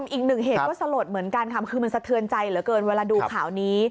อีกหนึ่งเหตุก็สลดเหมือนกันค่ะคือมันสะเทือนใจเหลือเกินเวลาดูข่าวนี้